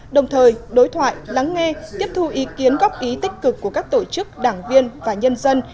đồng thời đối thoại lắng nghe tiếp thu ý kiến góp ý tích cực của các tổ chức đảng viên và nhân dân